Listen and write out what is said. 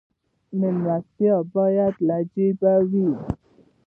میلمستیا باید له جیبه وي